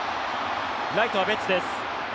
ライトはベッツです。